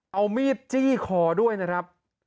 เอามีดจี้คอด้วยนะครับ